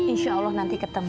insya allah nanti ketemu